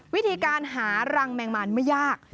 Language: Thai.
วิธีการหารังแมงมันไม่ยาก